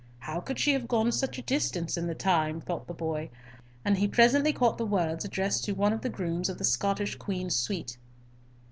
How could she have gone such a distance in the time? thought the boy, and he presently caught the words addressed to one of the grooms of the Scottish Queen's suite.